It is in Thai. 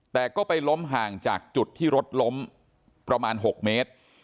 แต่ก็ไปล้มห่างจากจุดที่รถล้มประมาณ๖เมตร